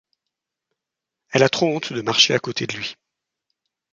Elle a trop honte de marcher à côté de lui.